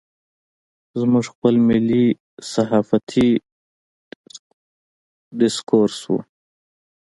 زموږ خپل ملي صحافتي ډسکورس و.